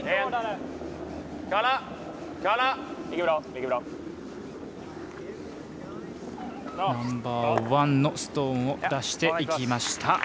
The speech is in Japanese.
ナンバーワンのストーンを出していきました。